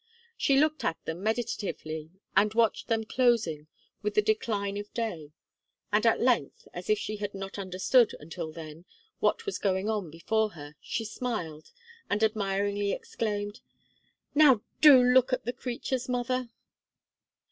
She looked at them meditatively, and watched them closing, with the decline of day. And, at length, as if she had not understood, until then, what was going on before her, she smiled and admiringly exclaimed: "Now do look at the creatures, mother!"